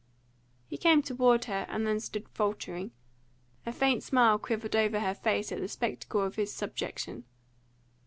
He came toward her, and then stood faltering. A faint smile quivered over her face at the spectacle of his subjection.